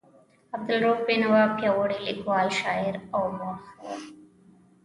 عبدالرؤف بېنوا پیاوړی لیکوال، شاعر او مورخ و.